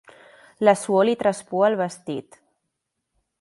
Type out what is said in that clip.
La suor li traspua el vestit.